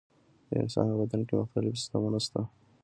د انسان په بدن کې مختلف سیستمونه شته.